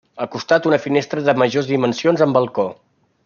Al costat una finestra de majors dimensions amb balcó.